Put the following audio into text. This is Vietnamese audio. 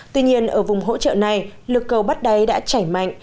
tuy nhiên ở vùng hỗ trợ này lực cầu bắt đáy đã chảy mạnh